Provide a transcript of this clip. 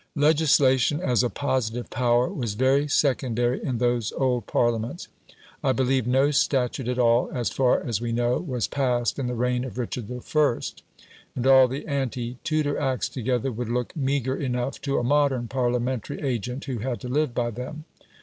Legislation as a positive power was very secondary in those old Parliaments. I believe no statute at all, as far as we know, was passed in the reign of Richard I., and all the ante Tudor acts together would look meagre enough to a modern Parliamentary agent who had to live by them.